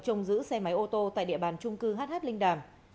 trông giữ xe máy ô tô tại địa bàn trung cư hh linh đàm